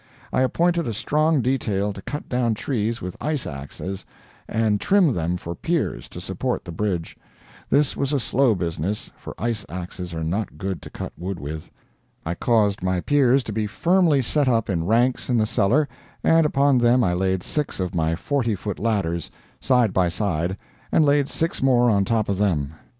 I appointed a strong detail to cut down trees with ice axes and trim them for piers to support the bridge. This was a slow business, for ice axes are not good to cut wood with. I caused my piers to be firmly set up in ranks in the cellar, and upon them I laid six of my forty foot ladders, side by side, and laid six more on top of them.